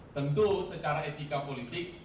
tentu secara etika politik